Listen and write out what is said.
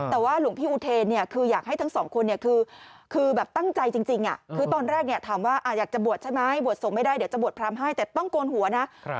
แต่ว่าหลวงพี่อุเทนเนี่ยคืออยากให้ทั้งสองคนเนี่ยคือแบบตั้งใจจริงคือตอนแรกเนี่ยถามว่าอยากจะบวชใช่ไหมบวชส่งไม่ได้เดี๋ยวจะบวชพร้ำให้แต่ต้องโกนหัวนะ